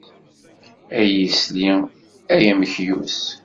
Ay isli ay amekyus.